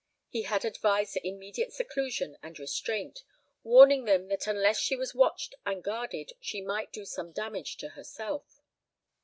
He had advised immediate seclusion and restraint, warning them that unless she was watched and guarded she might do some damage to herself.